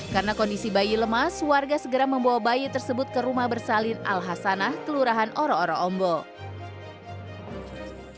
karena kondisi bayi lemas warga segera membawa bayi tersebut ke rumah bersalin al hasanah kelurahan oro oro ombol